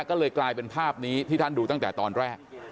ก็เลยกลายเป็นภาพนี้ที่ท่านดูตั้งแต่ตอนแรก